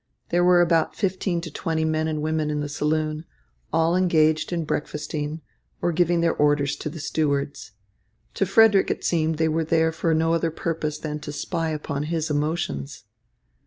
There were about fifteen to twenty men and women in the saloon, all engaged in breakfasting or giving their orders to the stewards. To Frederick it seemed they were there for no other purpose than to spy upon his emotions.